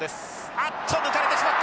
あっと抜かれてしまった！